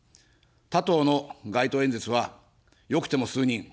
他党の街頭演説は、よくても数人。